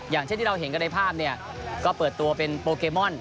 อย่างเช่นที่เราเห็นกันในภาพเนี่ยก็เปิดตัวเป็นโปเกมอน